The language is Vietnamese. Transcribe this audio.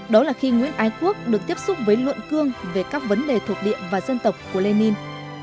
đó là khi nguyễn ái quốc được tiếp xúc với luận cương về các vấn đề thuộc địa và dân tộc của lenin